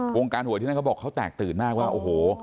วงการหวยที่นั่นเขาบอกเขาแตกตื่นมากว่าโอ้โห